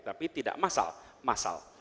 tapi tidak massal